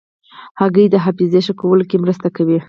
هګۍ د حافظې ښه کولو کې مرسته کوي.